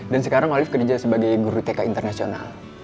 dan sekarang olive kerja sebagai guru tk internasional